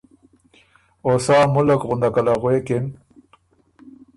او سا مُلّک غندکه له غوېکِن